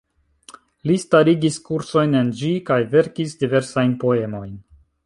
Li starigis kursojn en ĝi, kaj verkis diversajn poemojn.